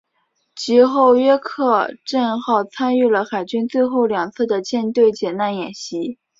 及后约克镇号参与了海军最后两次的舰队解难演习。